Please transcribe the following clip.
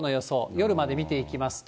夜まで見ていきますと。